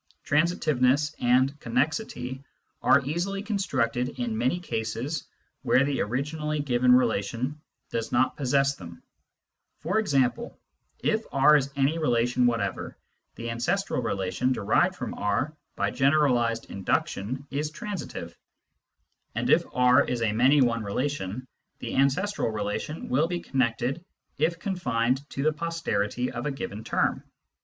Transitiveness and connexity are easily constructed in many cases where the originally given relation does not possess them : for example, if R is any relation whatever, the ancestral relation derived from R by generalised induction is transitive ; and if R is a many one relation, the ancestral relation will be connected if confined to the posterity of a given term.